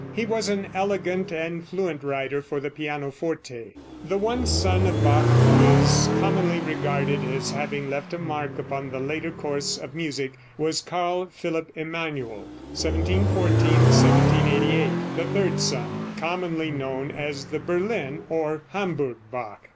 He was an elegant and fluent writer for the pianoforte. The one son of Bach who is commonly regarded as having left a mark upon the later course of music was Carl Philip Emanuel (1714 1788), the third son, commonly known as the Berlin or Hamburg Bach.